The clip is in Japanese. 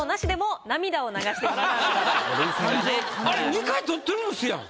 ２回取ってるんですやん。